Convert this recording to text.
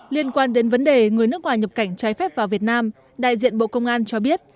liên quan đến vấn đề người nước ngoài nhập cảnh trái phép vào việt nam đại diện bộ công an cho biết